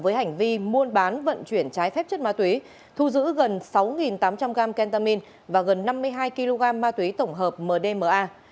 với hành vi mua bán vận chuyển trái phép chất ma túy thu giữ gần sáu tám trăm linh gram kentamine và gần năm mươi hai kg ma túy tổng hợp mdma